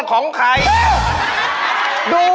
ของใคร